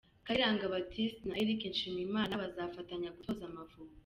Kayiranga Baptiste na Eric Nshimiyimana bazafatanya gutoza Amavubi.